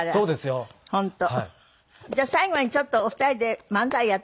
じゃあ最後にちょっとお二人で漫才やって頂けない？